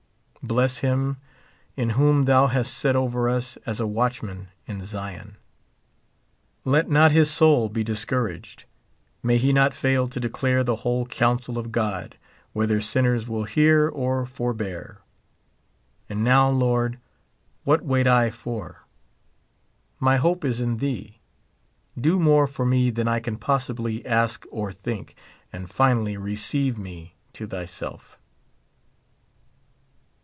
Bless him in whom thou hast set over us as a watchman in Zion. Let not his soul be discour aged. May he not fail to declare the whole counsel of God, whether sinners will hear or foi; bear. And now. Lord, what wait I for ? My hope is in thee. Do more for me than I can possibly ask or think, and finally receive me to thyself.